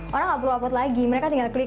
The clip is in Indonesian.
orang nggak perlu upload lagi mereka tinggal clear